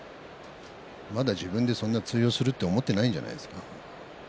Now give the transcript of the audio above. まだ自分でそんなに通用すると思っていないんじゃないですか。